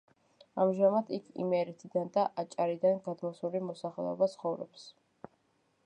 ამჟამად იქ იმერეთიდან და აჭარიდან გადმოსული მოსახლეობა ცხოვრობს.